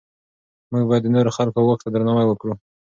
موږ باید د نورو خلکو واک ته درناوی وکړو.